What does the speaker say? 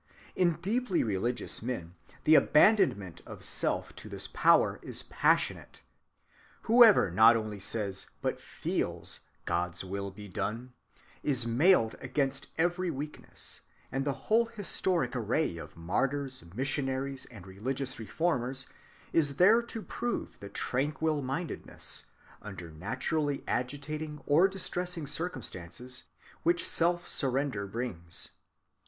In deeply religious men the abandonment of self to this power is passionate. Whoever not only says, but feels, "God's will be done," is mailed against every weakness; and the whole historic array of martyrs, missionaries, and religious reformers is there to prove the tranquil‐mindedness, under naturally agitating or distressing circumstances, which self‐surrender brings.